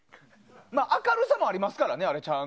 明るさもありますからね。